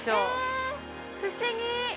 え不思議！